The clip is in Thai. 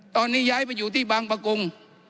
ตอนนี้ย้ายไปอยู่ที่บางประกง